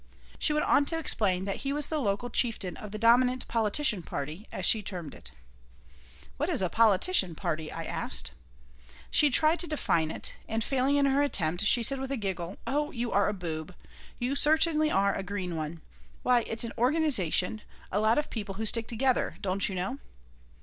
She went on to explain that he was the local chieftain of the dominant "politician party," as she termed it "What is a politician party?" I asked She tried to define it and, failing in her attempt, she said, with a giggle: "Oh, you are a boob. You certainly are a green one. Why, it's an organization, a lot of people who stick together, don't you know."